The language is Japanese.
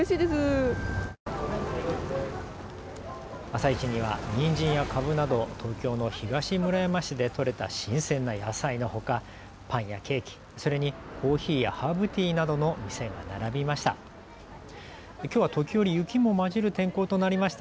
朝市にはにんじんやカブなど東京の東村山市で取れた新鮮な野菜のほかパンやケーキ、それにコーヒーやハーブティーなどの店が並びました。